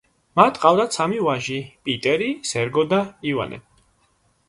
მათ ჰყავდათ სამი ვაჟი: პიტერი, სერგო და ივანე.